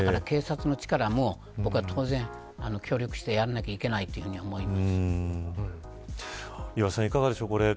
だから警察の力も、当然協力してやらなければいけないと岩田さんいかがでしょう。